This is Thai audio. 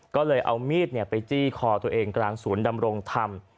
ก็เลยเอามีดไปจี้คอตัวเองกลางศูนย์ดำรงธรรม